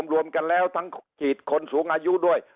รวมกันแล้วทั้งฉีดคนสูงอายุด้วย